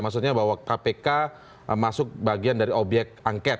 maksudnya bahwa kpk masuk bagian dari obyek angket